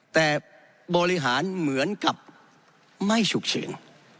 แต่บริหารเหมือนกับไม่ฉุกเฉิน